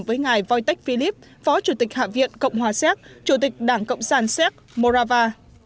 với ngài wojtek filip phó chủ tịch hạ viện cộng hòa xác chủ tịch đảng cộng sản xác morava